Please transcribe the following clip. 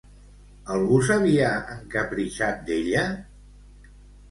Algú s'havia encapritxat d'ella?